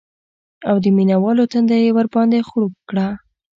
او د مینه والو تنده یې ورباندې خړوب کړه